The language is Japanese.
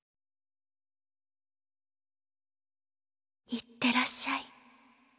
いってらっしゃい。